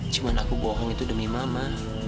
cuma aku bohong itu demi mama